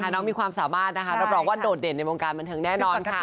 น้องมีความสามารถนะคะรับรองว่าโดดเด่นในวงการบันเทิงแน่นอนค่ะ